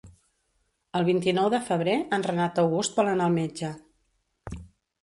El vint-i-nou de febrer en Renat August vol anar al metge.